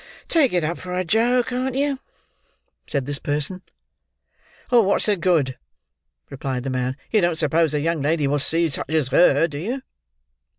"Take it up for her, Joe; can't you?" said this person. "What's the good?" replied the man. "You don't suppose the young lady will see such as her; do you?"